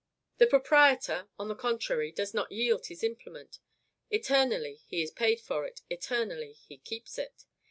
The proprietor, on the contrary, does not yield his implement; eternally he is paid for it, eternally he keeps it.